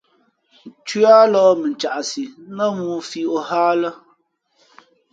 Nthʉǎ lōh mα caʼsi , nά mōō fī ǒ hά a lά.